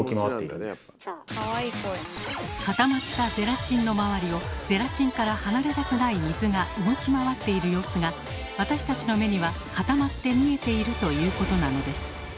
固まったゼラチンの周りをゼラチンから離れたくない水が動き回っている様子が私たちの目には固まって見えているということなのです。